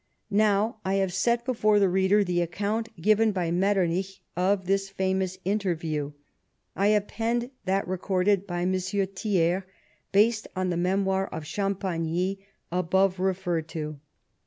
Now, I have set before the reader the account given by Metternich of this famous interview ; I append that recorded by M. Thiers, based on the memoir of Champagny above referred to.